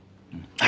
はい。